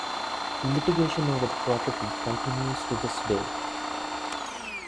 Litigation over the property continues to this day.